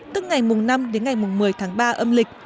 tức ngày mùng năm đến ngày mùng một mươi tháng ba âm lịch